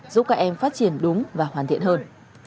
giúp các em phát triển đúng và hoàn thiện hơn